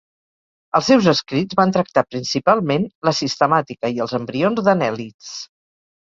Els seus escrits van tractar principalment la sistemàtica i els embrions d'anèl·lids.